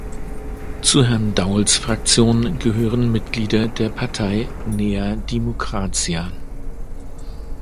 Zu Herrn Dauls Fraktion gehören Mitglieder der Partei Nea Dimokratia.